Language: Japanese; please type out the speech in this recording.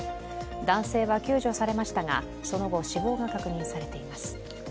男性は救助されましたがその後、死亡が確認されています。